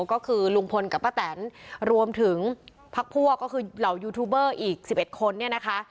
ก็คือลุงพลกับป้าแตนรวมถึงพักพั่วก็คือเหล่ายูทูปเบอร์อีก๑๑คน